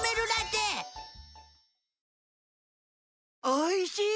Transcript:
おいしい！